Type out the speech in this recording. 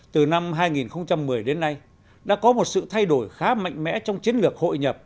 từ năm hai nghìn một mươi đến nay đã có một sự thay đổi khá mạnh mẽ trong chiến lược hội nhập